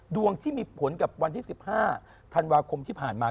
ดวงที่มีผลกับวันที่๑๕ธันวาคมที่ผ่านมา